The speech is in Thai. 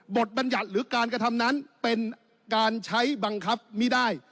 บัญญัติหรือการกระทำนั้นเป็นการใช้บังคับไม่ได้